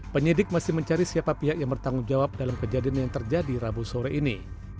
penyidik masih mencari siapa pihak yang bertanggung jawab dalam kejadian yang terjadi rabu sore ini